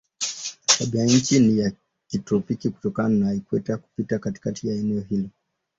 Tabianchi ni ya kitropiki kutokana na ikweta kupita katikati ya eneo hilo.